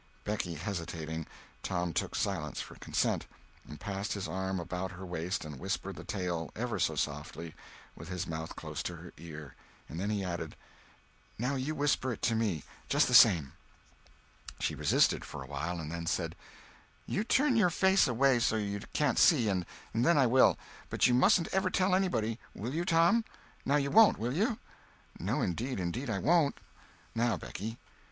Becky hesitating, Tom took silence for consent, and passed his arm about her waist and whispered the tale ever so softly, with his mouth close to her ear. And then he added: "Now you whisper it to me—just the same." She resisted, for a while, and then said: "You turn your face away so you can't see, and then I will. But you mustn't ever tell anybody—will you, Tom? Now you won't, will you?" "No, indeed, indeed I won't. Now, Becky."